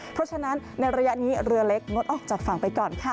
เพราะฉะนั้นในระยะนี้เรือเล็กงดออกจากฝั่งไปก่อนค่ะ